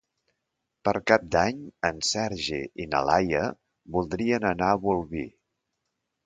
Per Cap d'Any en Sergi i na Laia voldrien anar a Bolvir.